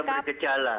ketika dia bergejala